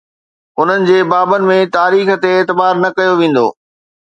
انهن جي بابن ۾ تاريخ تي اعتبار نه ڪيو ويندو.